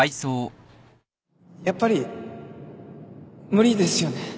やっぱり無理ですよね